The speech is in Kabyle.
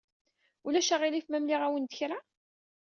Ulac aɣilif ma mliɣ-awen-d kra?